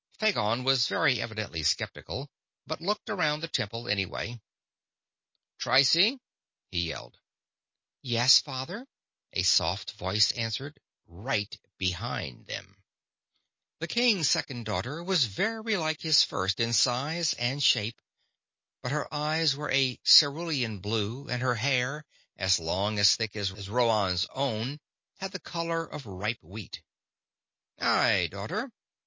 Phagon was very evidently skeptical, but looked around the temple, anyway. "Trycie!" he yelled. "Yes, father?" a soft voice answered right behind them! The king's second daughter was very like his first in size and shape, but her eyes were a cerulean blue and her hair, as long and as thick as Rhoann's own, had the color of ripe wheat. "Aye, daughter.